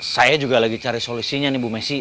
saya juga lagi cari solusinya nih bu messi